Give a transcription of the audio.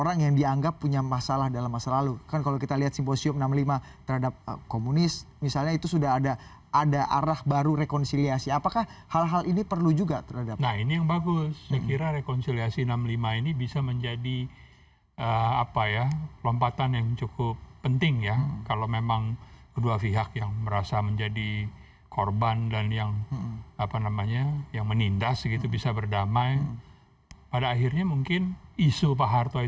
apalagi ini di arah munaslup